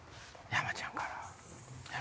山ちゃんから。